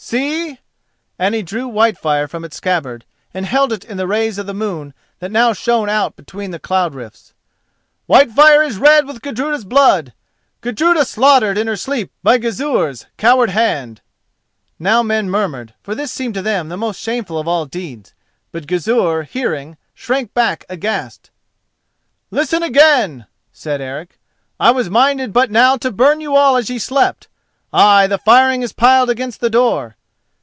See!" and he drew Whitefire from its scabbard and held it in the rays of the moon that now shone out between the cloud rifts. "Whitefire is red with Gudruda's blood—Gudruda slaughtered in her sleep by Gizur's coward hand!" Now men murmured, for this seemed to them the most shameful of all deeds. But Gizur, hearing, shrank back aghast. "Listen again!" said Eric. "I was minded but now to burn you all as ye slept—ay, the firing is piled against the door.